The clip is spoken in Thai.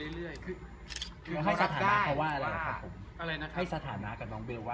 แล้วให้สถานะเค้าว่าอะไรสิครับ